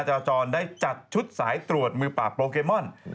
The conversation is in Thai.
จราจรได้จัดชุดสายตรวจมือปราบโปเกมอน